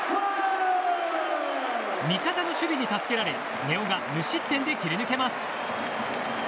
味方の守備に助けられ根尾が無失点で切り抜けます。